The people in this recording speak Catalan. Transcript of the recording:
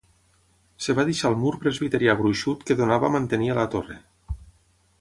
Es va deixar el mur presbiterià gruixut que donava mantenia la torre.